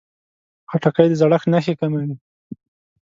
خټکی د زړښت نښې کموي.